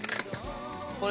これ。